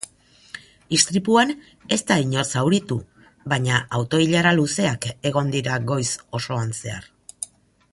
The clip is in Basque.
Istripuan ez da inor zauritu baina auto-ilara luzeak egon dira goiz osoan zehar.